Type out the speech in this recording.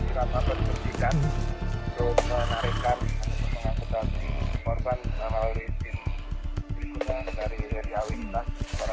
kami sudah di rata persisikan untuk menarikan pengakutan yang dikorban oleh tim berguna dari yerjawin